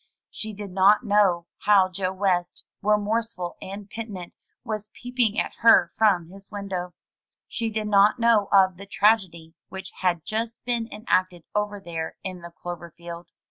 She did not know how Joe West, remorse ful and penitent, was peeping at her from his window. She did not know of the tragedy which had just been enacted over there in the clover field.